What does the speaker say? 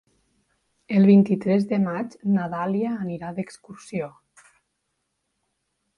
El vint-i-tres de maig na Dàlia anirà d'excursió.